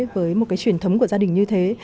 với một cái truyền thống của gia đình như thế